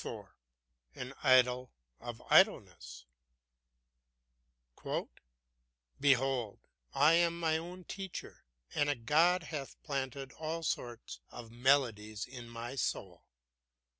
AN IDYL OF IDLENESS "Behold, I am my own teacher, and a god hath planted all sorts of melodies in my soul."